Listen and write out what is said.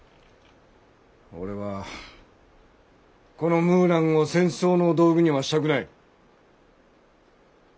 俺はこのムーランを戦争の道具にはしたくない。